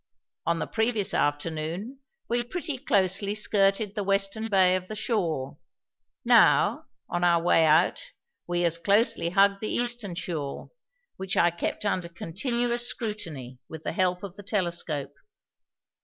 On the previous afternoon we pretty closely skirted the western shore of the bay; now, on our way out, we as closely hugged the eastern shore, which I kept under continuous scrutiny with the help of the telescope.